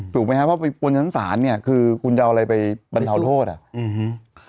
ถูกไหมครับว่าไปบนชั้นศาลเนี้ยคือคุณจะเอาอะไรไปบรรเทาโทษอ่ะอืม